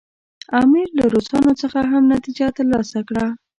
امیر له روسانو څخه هم نتیجه ترلاسه کړه.